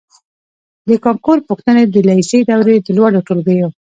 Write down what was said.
د کانکور پوښتنې د لېسې دورې د لوړو ټولګیو